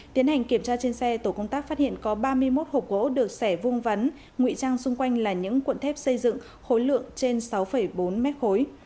tiến hành kiểm tra trên xe tổ công tác phát hiện có ba mươi một hộp gỗ được xẻ vuông vắn nguy trang xung quanh là những cuộn thép xây dựng khối lượng trên sáu bốn mét khối